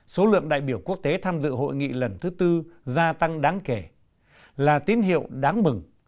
số lượng đại biểu quốc tế tham dự hội nghị lần thứ tư gia tăng đáng kể là tín hiệu đáng mừng